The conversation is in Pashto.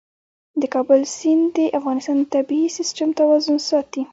د کابل سیند د افغانستان د طبعي سیسټم توازن ساتي.